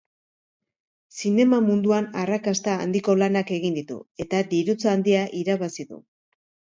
Zinema munduan arrakasta handiko lanak egin ditu, eta dirutza handia irabazi du.